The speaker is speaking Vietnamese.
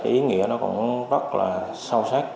ý nghĩa nó cũng rất là sâu sắc